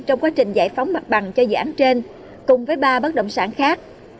trong quá trình giải phóng mặt bằng cho dự án trên cùng với ba bất động sản khác